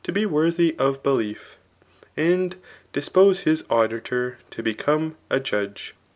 be worthy of beUef» and di^se Us auditor to become a judge.